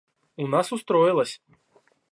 У нас устроилось.